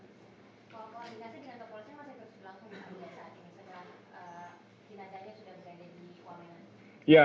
bukan saat ini sedang